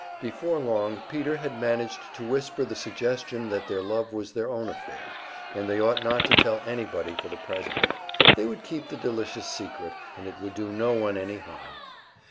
Before long Peter had managed to whisper the suggestion that their love was their own affair, and they ought not to tell anybody for the present; they would keep the delicious secret, and it would do no one any harm.